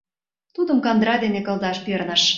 Тудым кандыра дене кылдаш перныш.